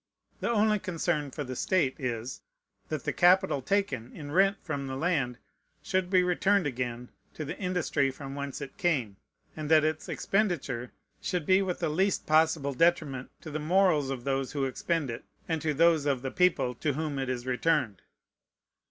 The only concern for the state is, that the capital taken in rent from the land should be returned again to the industry from whence it came, and that its expenditure should be with the least possible detriment to the morals of those who expend it and to those of the people to whom it is returned.